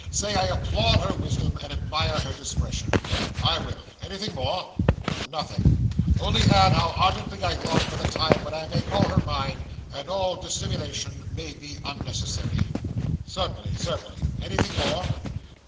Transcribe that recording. Say I applaud her wisdom and admire her discretion.' I will. Anything more?' 'Nothing, only add how ardently I long for the time when I may call her mine, and all dissimulation may be unnecessary.' 'Certainly, certainly. Anything more?